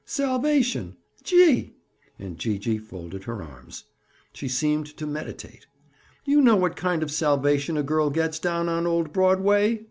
Salvation! Gee!" And Gee gee folded her arms. She seemed to meditate. "You know what kind of salvation a girl gets down on old Broadway?"